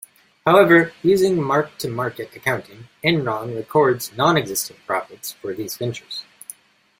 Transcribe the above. However, using mark-to-market accounting, Enron records non-existent profits for these ventures.